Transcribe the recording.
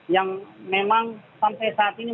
yang memang sampai saat ini